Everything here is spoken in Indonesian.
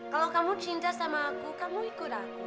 kalau kamu cinta sama aku kamu ikut aku